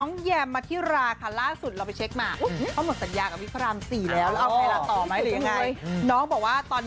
น้องแยมมาที่รากฐานล่าสุดเราไปเช็คมาเขาหมดสัญญากับพี่พระรามสี่แล้วอะว้าว